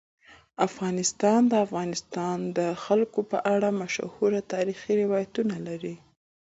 افغانستان د د افغانستان جلکو په اړه مشهور تاریخی روایتونه لري.